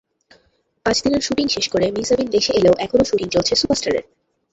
পাঁচ দিনের শুটিং শেষ করে মেহ্জাবীন দেশে এলেও এখনো শুটিং চলছে সুপারস্টার-এর।